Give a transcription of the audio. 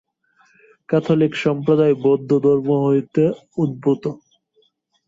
Catholic সম্প্রদায় বৌদ্ধধর্ম হইতেই উদ্ভূত।